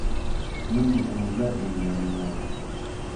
من ڕوو زەردم لە میوان